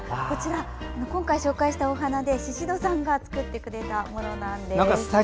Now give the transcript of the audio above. こちら、今回紹介したお花で宍戸さんが作ってくれたものなんです。